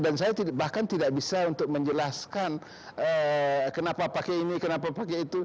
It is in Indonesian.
dan saya bahkan tidak bisa untuk menjelaskan kenapa pakai ini kenapa pakai itu